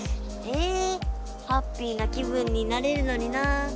えハッピーな気分になれるのにな。